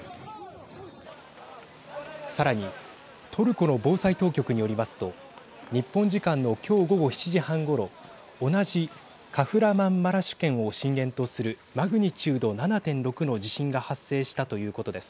さらにトルコの防災当局によりますと日本時間の今日午後７時半ごろ同じカフラマンマラシュ県を震源とするマグニチュード７．６の地震が発生したということです。